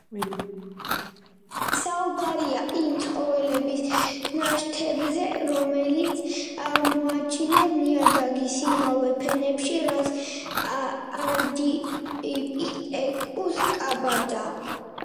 საუბარია იმ ცხოველების ნაშთებზე, რომლებიც აღმოაჩინეს ნიადაგის იმავე ფენებში, რაც არდიპითეკუს კადაბა.